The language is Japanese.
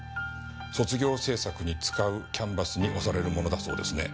卒業制作に使うキャンバスに押されるものだそうですね。